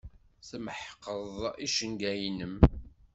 Tmeḥqeḍ icenga-nnem.